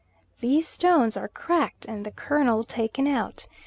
These stones are cracked, and the kernel taken out.